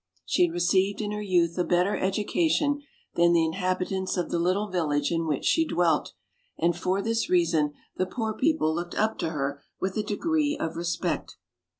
She had re ceived in her youth a better education than the inhabit ants of the little village in which she dwelt, and for this reason the poor people looked up to her with a degree of respect.